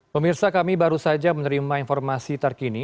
pemirsa kami baru saja menerima informasi terkini